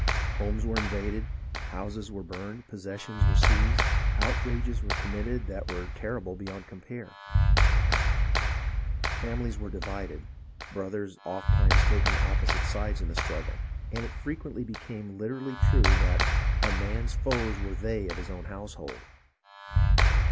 Homes were invaded, houses were burned, possessions were seized, outrages were committed that were terrible beyond compare. Fam ilies were divided, brothers ofttimes taking opposite sides in the struggle, and it frequently became literally true that "a man's foes were they of his own household."